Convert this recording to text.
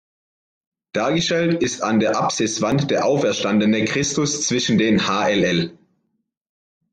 Dargestellt ist an der Apsiswand der auferstandene Christus zwischen den hll.